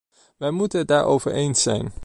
Wij moeten het daarover eens zijn.